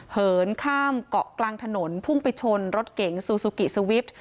เหินข้ามเกาะกลางถนนพุ่งไปชนรถเก๋งซูซูกิสวิป